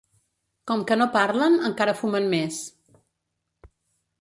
Com que no parlen encara fumen més.